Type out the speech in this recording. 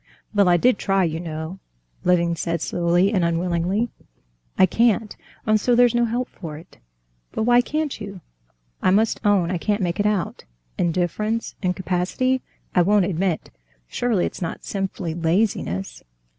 "Well, I did try, you know," Levin said slowly and unwillingly. "I can't! and so there's no help for it." "But why can't you? I must own I can't make it out. Indifference, incapacity—I won't admit; surely it's not simply laziness?"